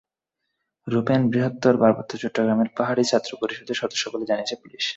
Rufane বৃহত্তর পার্বত্য চট্টগ্রাম পাহাড়ি ছাত্র পরিষদের সদস্য বলে জানিয়েছে পুলিশ।